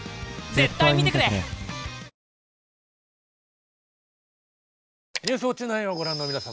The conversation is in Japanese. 絶対見てくれ「ニュースウオッチ９」をご覧の皆様